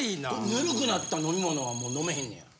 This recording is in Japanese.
ぬるくなった飲み物はもう飲めへんねや？